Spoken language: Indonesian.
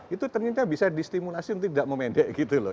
itu ternyata bisa disimulasi untuk tidak memendek gitu loh